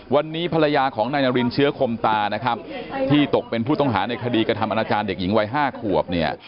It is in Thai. วันนี้ภรรยาของนายนารินเชื้อคมตานะครับที่ตกเป็นผู้ต้องหาในคดีกระทำอนาจารย์เด็กหญิงวัย๕ขวบเนี่ย